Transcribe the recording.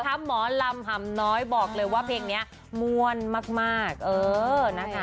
หมอลำหำน้อยบอกเลยว่าเพลงนี้ม่วนมากเออนะคะ